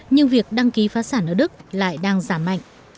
nhưng việc đăng ký phá sản ở đức lại đang giảm mạnh